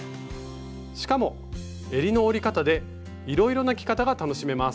しかもえりの折り方でいろいろな着方が楽しめます。